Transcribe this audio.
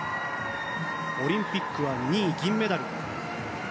オリンピックは２位、銀メダル。